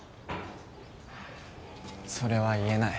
それは言えない